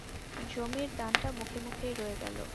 জমির দানটা মুখে মুখেই রয়ে গেল।